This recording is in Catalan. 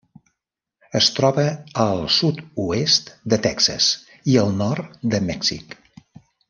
Es troba al sud-oest de Texas i al nord de Mèxic.